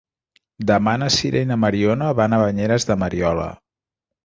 Demà na Sira i na Mariona van a Banyeres de Mariola.